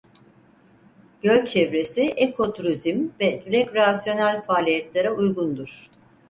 Göl çevresi eko turizm ve rekreasyonel faaliyetlere uygundur.